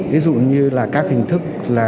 ví dụ như là các hình thức